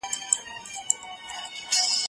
ته ولي د کتابتون کتابونه لوستل کوې،